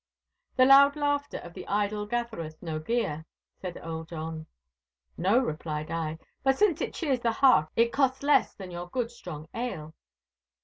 'The loud laughter of the idle gathereth no gear,' said Earl John. 'No,' replied I, 'but since it cheers the heart, it costs less than your good strong ale.